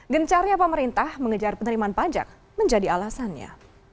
gencarnya pemerintah mengejar penerimaan pajak menjadi alasannya